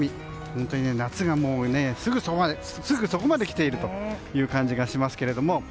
本当に夏がもうすぐそこまできているという感じがしますが。